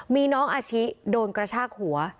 มีน้องอาชิโดนกระชากหัว